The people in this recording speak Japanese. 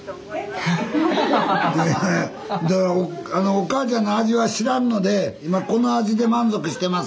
おかあちゃんの味は知らんので今この味で満足してます。